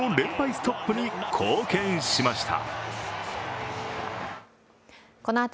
ストップに貢献しました。